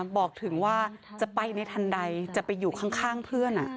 บอกถึงว่าจะไปในทันใดจะไปอยู่ข้างเพื่อน